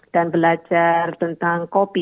dan belajar tentang kopi